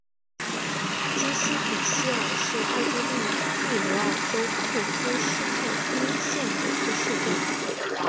基希比希尔是奥地利蒂罗尔州库夫施泰因县的一个市镇。